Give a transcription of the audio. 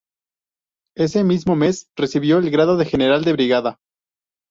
Ese mismo mes recibió el grado de general de brigada.